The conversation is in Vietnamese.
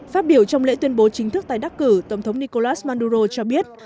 phát biểu trong lễ tuyên bố chính thức tái đắc cử tổng thống nicolas maduro cho biết